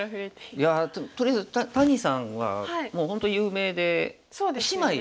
いやとりあえず谷さんはもう本当有名で姉妹でね強くて。